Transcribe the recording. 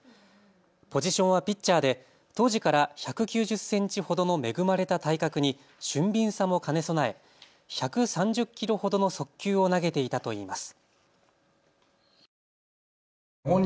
ポジションはピッチャーで当時から１９０センチほどの恵まれた体格に俊敏さも兼ね備え１３０キロほどの速球を投げていたといいます。